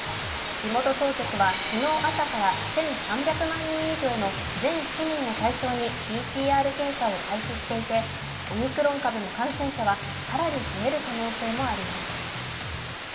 地元当局は昨日朝から１３００万人以上の全市民を対象にＰＣＲ検査を開始していてオミクロン株の感染者は更に増える可能性もあります。